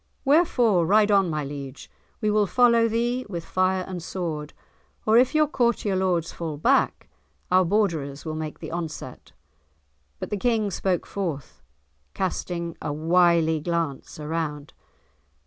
wherefore, ride on, my liege; we will follow thee with fire and sword; or if your courtier lords fall back, our Borderers will make the onset." But the King spoke forth, casting a wily glance around.